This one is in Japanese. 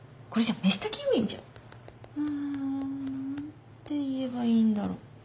あ何て言えばいいんだろう？